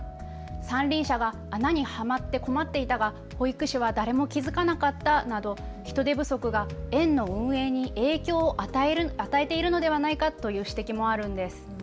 三輪車が穴にはまって困っていたが保育所は誰も気付かなかったなど、人手不足が園の運営に影響を与えているのではないかという指摘もあります。